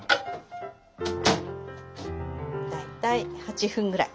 大体８分ぐらい。